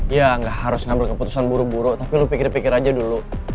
ya gak harus ngambil keputusan buruk buruk tapi lo pikir pikir aja dulu